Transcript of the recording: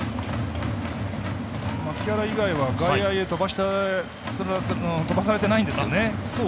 牧原以外は外野へ飛ばされてないんですよね。